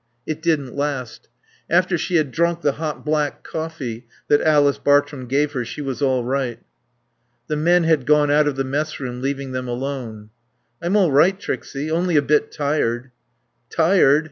It didn't last. After she had drunk the hot black coffee that Alice Bartrum gave her she was all right. The men had gone out of the messroom, leaving them alone. "I'm all right, Trixie, only a bit tired." "Tired?